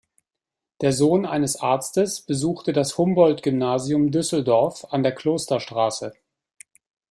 Der Sohn eines Arztes besuchte das Humboldt-Gymnasium Düsseldorf an der Klosterstraße.